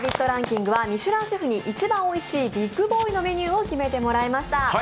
ランキングはミシュランシェフに一番おいしいビッグボーイのメニューを決めてもらいました。